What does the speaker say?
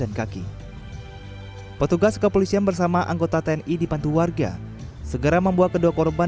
dan kaki petugas kepolisian bersama anggota tni di pantu warga segera membuat kedua korban